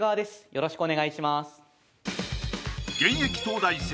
よろしくお願いします